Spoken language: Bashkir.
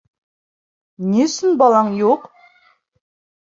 Ни өсөн балаң юҡ?